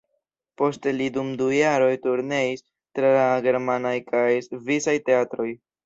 Poste li dum du jaroj turneis tra germanaj kaj svisaj teatroj.